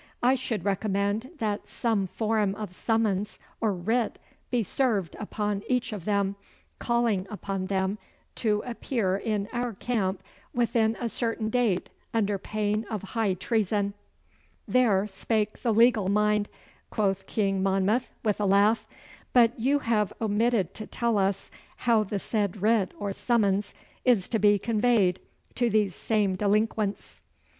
I should recommend that some form of summons or writ be served upon each of them, calling upon them to appear in our camp within a certain date under pain of high treason.' 'There spake the legal mind,' quoth King Monmouth, with a laugh. 'But you have omitted to tell us how the said writ or summons is to be conveyed to these same delinquents.